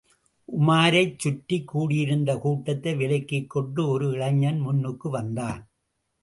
உமாரைச் சுற்றிக் கூடியிருந்த கூட்டத்தை விலக்கிக் கொண்டு, ஒரு இளைஞன் முன்னுக்கு வந்தான்.